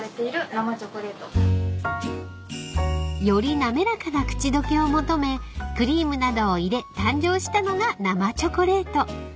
［より滑らかな口溶けを求めクリームなどを入れ誕生したのが生チョコレート］